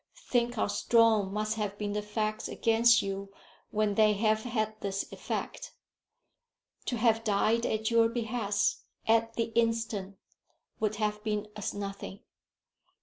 Think how strong must have been the facts against you when they have had this effect. To have died at your behest at the instant would have been as nothing.